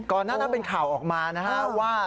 ก่อนนั้นน่าเป็นข่าวออกมานะฮะว่า